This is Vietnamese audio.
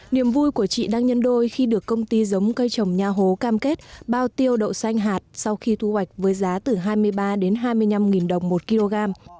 niềm vui của chị đang nhân đôi khi được công ty giống cây trồng nha hố cam kết bao tiêu đậu xanh hạt sau khi thu hoạch với giá từ hai mươi ba đến hai mươi năm đồng một kg